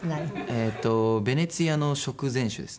えっとベネチアの食前酒ですね。